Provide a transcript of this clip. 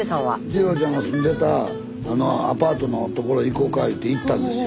二朗ちゃんが住んでたアパートのところへ行こうか言うて行ったんですよ。